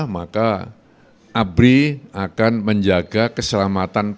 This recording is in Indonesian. maka abri akan menjaga keselamatan pasien